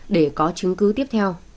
để có chứng cứ tiếp theo